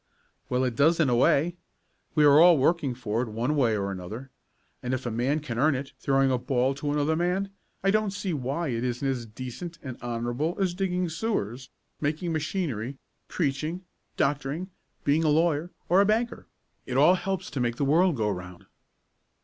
"Well, it does in a way. We are all working for it, one way or another, and if a man can earn it throwing a ball to another man, I don't see why that isn't as decent and honorable as digging sewers, making machinery, preaching, doctoring, being a lawyer or a banker. It all helps to make the world go round."